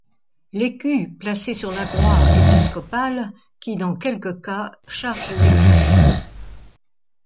L'écu placé sur la croix épiscopale, qui dans quelques cas charge l'écu.